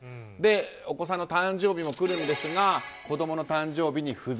お子さんの誕生日も来るんですが子供の誕生日に不在。